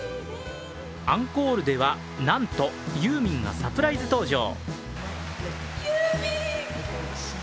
アンコールでは、なんとユーミンがサプライズ登場。